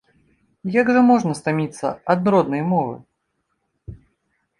Як жа можна стаміцца ад роднай мовы?